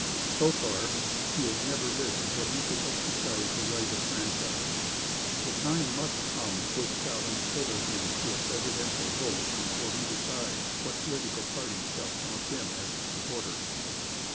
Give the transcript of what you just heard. So far, he has never lived where he could exercise the right of franchise. The time must come which shall entitle him to a Presidential vote before he decides what political party shall count him as its supporter.